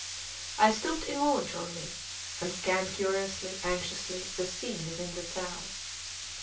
I stooped involuntarily, and scanned curiously, anxiously, the scene within the cell.